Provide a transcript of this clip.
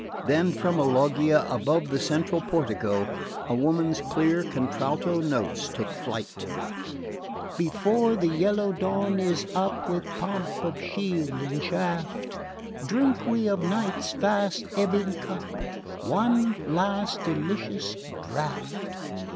Then, from a loggia above the central portico, a woman's clear contralto notes took flight: Before the yellow dawn is up, With pomp of shield and shaft, Drink we of Night's fast ebbing cup One last delicious draught.